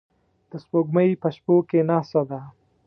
د سپوږمۍ په شپو کې ناسته ده